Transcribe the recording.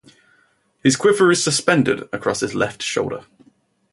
His quiver is suspended across his left shoulder.